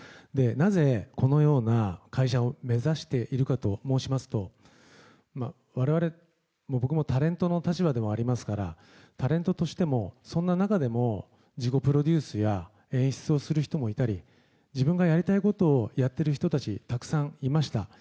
なぜ、このような会社を目指しているかと申しますと僕もタレントの立場ではありますからタレントとしてもそんな中でも自己プロデュースや演出をする人もいたり自分がやりたいことをやっている人たちたくさんいました。